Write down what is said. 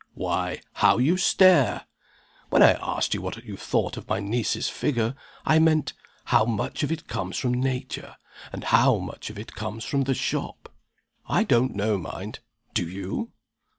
Why, how you stare! When I asked you what you thought of my niece's figure, I meant how much of it comes from Nature, and how much of it comes from the Shop? I don't know, mind! Do you?"